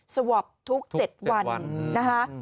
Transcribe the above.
สวบทุกเจ็ดวันนะคะ